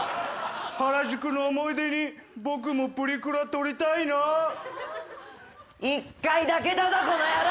原宿の思い出に僕もプリクラ撮りたいなあ１回だけだぞこの野郎！